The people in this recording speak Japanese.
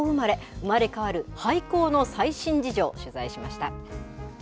生まれ変わる廃校の最新事情を取材しました。